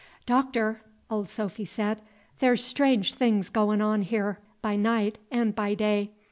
"Doctor," old Sophy said, "there's strange things goin' on here by night and by day.